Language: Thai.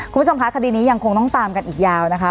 คุณผู้ชมคะคดีนี้ยังคงต้องตามกันอีกยาวนะคะ